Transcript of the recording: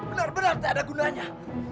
benar benar tak ada gunanya